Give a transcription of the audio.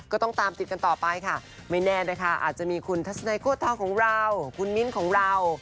ก็ต้องตามติดกันต่อไปค่ะไม่แน่นะคะอาจจะมีคุณทัศนัยโค้ทองของเราคุณมิ้นของเรา